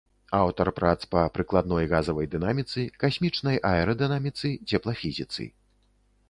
Аўтар прац па прыкладной газавай дынаміцы, касмічнай аэрадынаміцы, цеплафізіцы.